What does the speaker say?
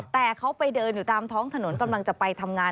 แต่เขาไปเดินอยู่ตามท้องถนนกำลังจะไปทำงาน